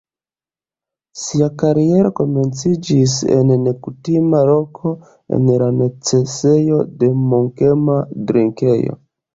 Ŝia kariero komenciĝis en nekutima loko: en la necesejo de Munkena drinkejo.